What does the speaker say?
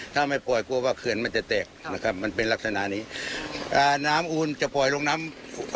ถ้าไม่ปล่อยกลัวว่าเขื่อนมันจะแตกนะครับมันเป็นลักษณะนี้อ่าน้ำอูนจะปล่อยลงน้ำ